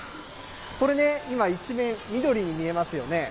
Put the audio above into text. これね、今、一面、緑に見えますよね。